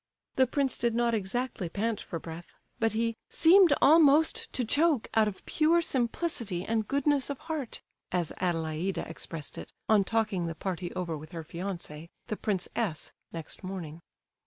The prince did not exactly pant for breath, but he "seemed almost to choke out of pure simplicity and goodness of heart," as Adelaida expressed it, on talking the party over with her fiance, the Prince S., next morning.